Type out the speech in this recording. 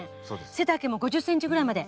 背丈も５０ｃｍぐらいまで。